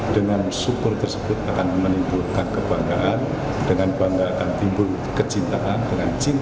dengan syukur tersebut akan menimbulkan kebanggaan dengan bangga akan timbul kecintaan dengan cinta